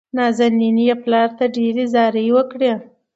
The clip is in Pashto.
نازنين يې پلار ته ډېرې زارۍ وکړې.